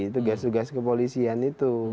tugas tugas kepolisian itu